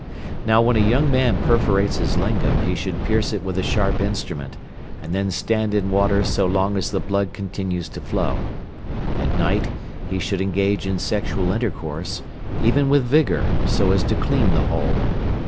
Now, when a young man perforates his lingam he should pierce it with a sharp instrument, and then stand in water so long as the blood continues to flow. At night he should engage in sexual intercourse, even with vigour, so as to clean the hole.